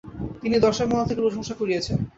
তিনি দর্শকমহল থেকে প্রশংসা কুড়িয়েছেন।